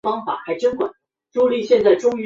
相对的数量一样。